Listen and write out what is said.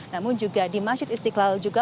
namun juga di masjid istiqlal juga